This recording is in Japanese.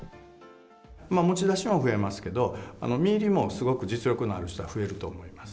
持ち出しは増えますけれども、実入りもすごく実力のある人は増えると思います。